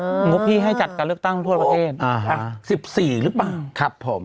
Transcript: งบที่ให้จัดการเลือกตั้งทั่วประเทศอ่าฮะอ่ะสิบสี่หรือเปล่าครับผม